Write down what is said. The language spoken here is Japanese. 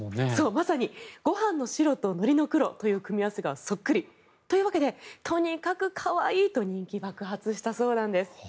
まさにご飯の白とのりの黒という組み合わせがそっくりというわけでとにかく可愛いと人気爆発したそうです。